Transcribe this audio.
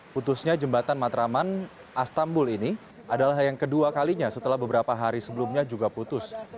putusnya jembatan matraman astambul ini adalah yang kedua kalinya setelah beberapa hari sebelumnya juga putus